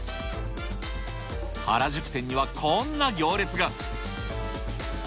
原宿店にはこんな行列が。